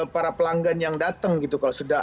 para pelanggan yang datang gitu kalau sudah